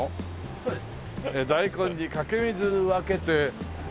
そうです。